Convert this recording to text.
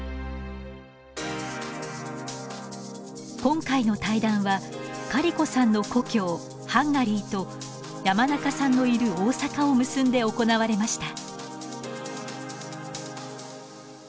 今回の対談はカリコさんの故郷ハンガリーと山中さんのいる大阪を結んで行われました。